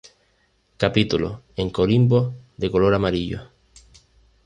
Capítulos en corimbos de color amarillo.